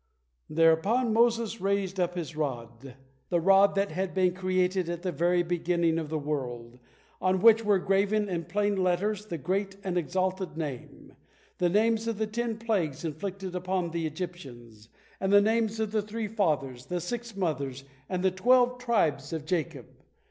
Thereupon Moses raised up his rod the rod that had been created at the very beginning of the world, on which were graven in plain letters the great and exalted Name, the names of the ten plagues inflicted upon the Egyptians, and the names of the three Fathers, the six Mothers, and the twelve tribes of Jacob.